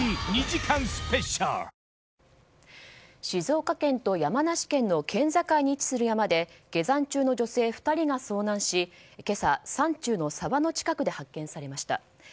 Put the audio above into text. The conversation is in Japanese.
静岡県と山梨県の県境に位置する山で下山中の女性２人が遭難し今朝、山中の沢の近くで発見されました。